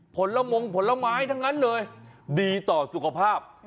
ผลมงผลไม้ทั้งนั้นเลยดีต่อสุขภาพ